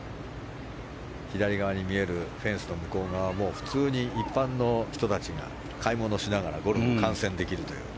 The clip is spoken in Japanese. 左側に見えるフェンスの向こう側も普通に一般の人たちが買い物をしながらゴルフを観戦できるという。